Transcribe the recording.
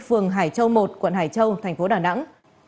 phường hải châu một quận hải châu tp đà nẵng